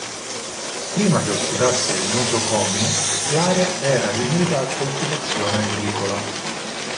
Prima che ospitasse il nosocomio, l'area era adibita a coltivazione agricola.